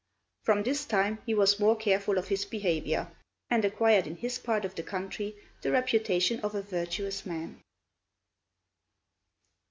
From this time he was more careful of his behaviour, and acquired in his part of the country the reputation of a virtuous man.